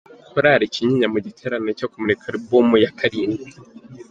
Korali Kinyinya mu giterane cyo kumurika alibumu ya karindwe